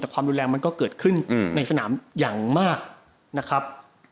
แต่ความรุนแรงมันก็เกิดขึ้นในสนามอย่างมากนะครับ